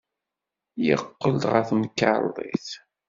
Yeqqel-d ɣer temkarḍit.